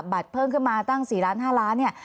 เพิ่มขึ้นมาตั้ง๔ล้าน๕ล้านเนี่ย